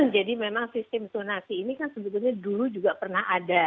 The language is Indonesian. memang sistem zonasi ini kan sebetulnya dulu juga pernah ada